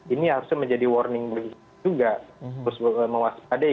ini harusnya menjadi warning juga harus mewaspadai